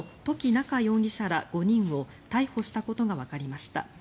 夏容疑者ら５人を逮捕したことがわかりました。